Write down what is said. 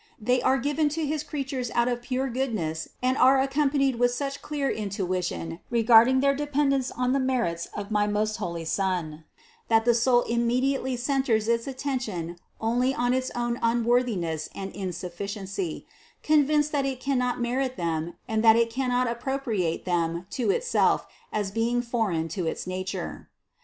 They are given to his creatures out of pure goodness and are accompanied with such clear intuition regarding their dependence on the merits of my most holy Son, that the soul immediately centers its attention only on its own unworthiness and insufficiency, convinced that it cannot merit them and that it cannot appropriate them to itself as being foreign 260 CITY OF GOD to its nature.